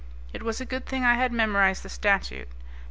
It was a good thing I had memorized the statute.